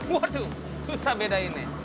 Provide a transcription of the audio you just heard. waduh susah bedainnya